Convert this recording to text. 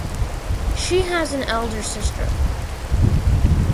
She has an elder sister.